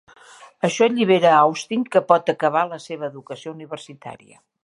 Això allibera Austin, que pot acabar la seva educació universitària.